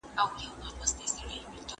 ¬ هر چيري چي زړه ځي، هلته پښې ځي.